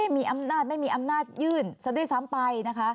มีอำนาจไม่มีอำนาจยื่นซะด้วยซ้ำไปนะคะ